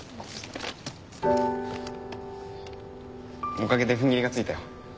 おかげで踏ん切りがついたよ。